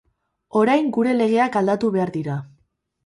Orain gure legeak aldatu behar dira.